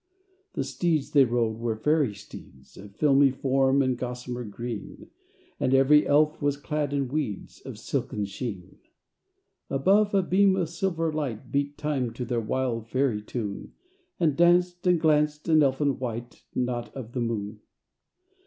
The steeds they rode were fairy steeds, Of filmy form and gossamer green; And every elf was clad in weeds Of silken sheen. Above, a beam of silver light Beat time to their wild fairy tune, And danced and glanced, an elfin white Not of the moon.